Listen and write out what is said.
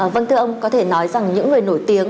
vâng thưa ông có thể nói rằng những người nổi tiếng